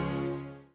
aku juga harus belajar